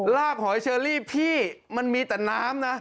หอยเชอรี่พี่มันมีแต่น้ำนะ